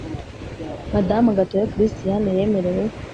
Madamu gatoya christiane yemerewe